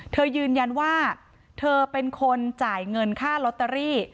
ยืนยันว่าเธอเป็นคนจ่ายเงินค่าลอตเตอรี่